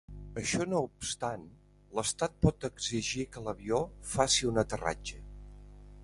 Això no obstant, l'estat pot exigir que l'avió faci un aterratge.